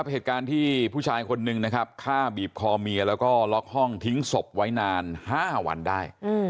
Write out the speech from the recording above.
เหตุการณ์ที่ผู้ชายคนนึงนะครับฆ่าบีบคอเมียแล้วก็ล็อกห้องทิ้งศพไว้นาน๕วันได้